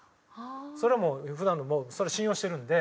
それはもう普段の信用してるんで。